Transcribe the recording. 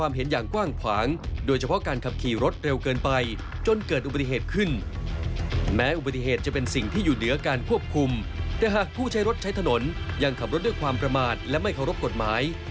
แม้อุบัติเหตุจะเป็นสิ่งที่อยู่เหนือการควบคุมแต่หากผู้ใช้รถใช้ถนนยังขับรถด้วยความประมาทและไม่เคารพกฎหมาย